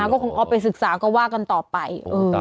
ก็คงออฟไปศึกษาก็ว่ากันต่อไป